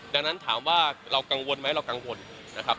ดังนั้นถามว่าเรากังวลไหมเรากังวลนะครับ